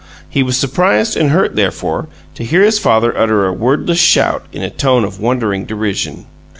He was surprised and hurt, therefore, to hear his father utter a wordless shout in a tone of wondering derision.